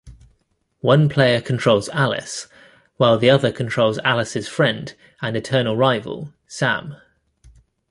One player controls Alice, while the other controls Alice's friend and eternal rival: Samm.